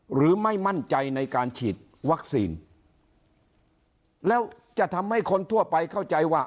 หรือไม่มั่นใจในการฉีดวัคซีนแล้วจะทำให้คนทั่วไปเข้าใจว่า